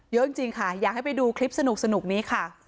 เยอะจริงค่ะอยากให้ไปดูคลิปสนุกนี้ค่ะ